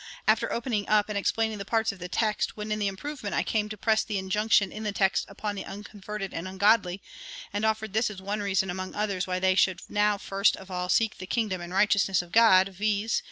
After opening up and explaining the parts of the text, when in the improvement I came to press the injunction in the text upon the unconverted and ungodly, and offered this as one reason among others why they should now first of all seek the kingdom and righteousness of God, viz.